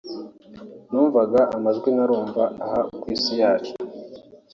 numvaga amajwi ntarumva aha ku isi yacu